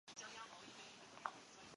因为鹰潭在江西省算是个体育弱市。